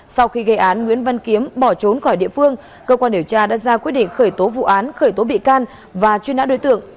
sau khi gây án nguyễn văn kiếm bỏ trốn khỏi địa phương cơ quan điều tra đã ra quyết định khởi tố vụ án khởi tố bị can và truy nã đối tượng